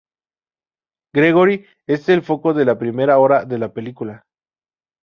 Gregory es el foco de la primera hora de la película.